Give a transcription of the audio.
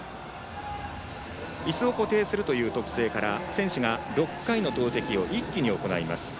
いすを固定するという特性から選手が６回の投てきを一気に行います。